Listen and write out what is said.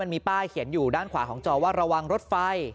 มีป้ายเขียนอยู่ด้านขวาของจอว่าระวังรถไฟ